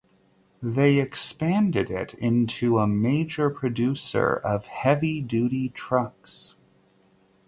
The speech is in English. They expanded it into a major producer of heavy-duty trucks.